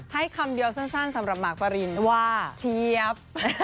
ให้คำเดียวสั้นสำหรับมาร์คปะรินว่าเชียบ